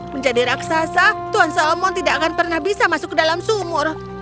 menjadi raksasa tuan salmon tidak akan pernah bisa masuk ke dalam sumur